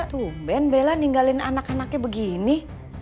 tumben bella ninggalin anak anaknya begini